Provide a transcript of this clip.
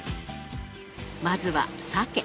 まずはサケ。